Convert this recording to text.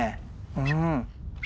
うん。